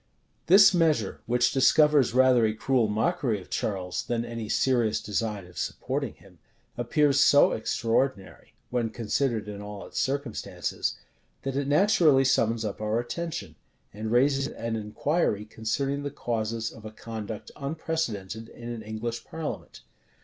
This measure, which discovers rather a cruel mockery of Charles, than any serious design of supporting him, appears so extraordinary, when considered in all its circumstances, that it naturally summons up our attention, and raises an inquiry concerning the causes of a conduct unprecedented in an English parliament.